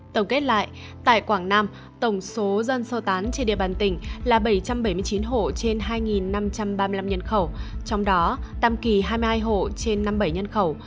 tổng kết lại tại quảng nam tổng số dân sơ tán trên địa bàn tỉnh là bảy trăm bảy mươi chín hộ trên hai năm trăm ba mươi năm nhân khẩu trong đó tam kỳ hai mươi hai hộ trên năm mươi bảy nhân khẩu